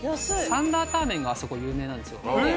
サンラータンメンがあそこ有名なんですよ。